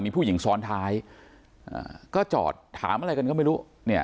มีผู้หญิงซ้อนท้ายก็จอดถามอะไรกันก็ไม่รู้เนี่ย